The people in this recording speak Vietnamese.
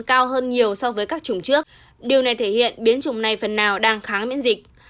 cao hơn nhiều so với các chủng trước điều này thể hiện biến chủng này phần nào đang kháng miễn dịch